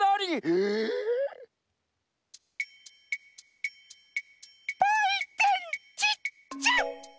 ええ！？ばいてんちっちゃ！